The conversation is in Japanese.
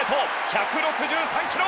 １６３キロ！